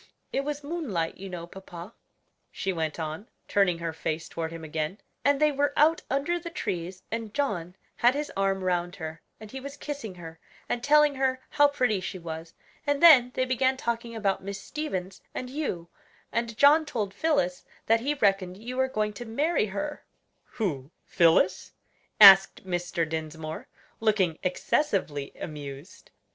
It was moonlight, you know, papa," she went on, turning her face toward him again: "and they were out under the trees and John had his arm round her, and he was kissing her, and telling her how pretty she was; and then they began talking about Miss Stevens and you, and John told Phillis that he reckoned you were going to marry her " "Who? Phillis?" asked Mr. Dinsmore, looking excessively amused.